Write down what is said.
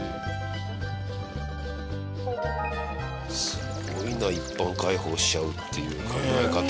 すごいな一般開放しちゃうっていう考え方。